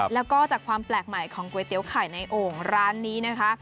แล้วก็จากความแปลกใหม่ของก๋วยเตี๋ยวไข่ในโอ่งร้านนี้นะคะ